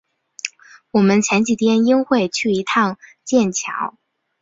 我们前几天应该会去一趟剑桥